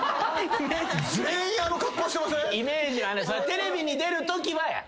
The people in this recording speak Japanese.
テレビに出るときはや。